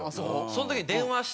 その時に電話して。